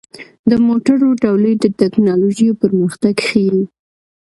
د موټرو تولید د ټکنالوژۍ پرمختګ ښيي.